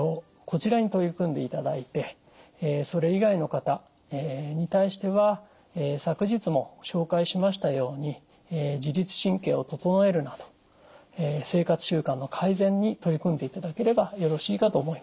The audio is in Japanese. こちらに取り組んでいただいてそれ以外の方に対しては昨日も紹介しましたように自律神経を整えるなど生活習慣の改善に取り組んでいただければよろしいかと思います。